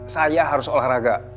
saya harus olahraga